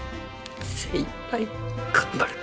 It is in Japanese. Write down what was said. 精いっぱい頑張るき。